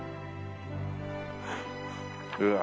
うわ！